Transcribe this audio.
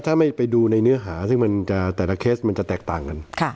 ถ้าไม่ไปดูในเนื้อหาซึ่งแต่ละเคสมันจะแตกต่างกัน